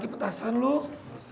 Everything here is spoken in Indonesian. gak pedesan loh